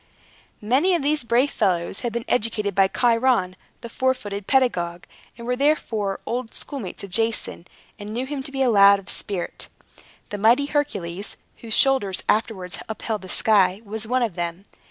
Many of these brave fellows had been educated by Chiron, the four footed pedagogue, and were therefore old schoolmates of Jason, and knew him to be a lad of spirit. The mighty Hercules, whose shoulders afterwards upheld the sky, was one of them.